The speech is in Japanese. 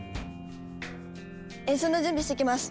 演奏の準備してきます。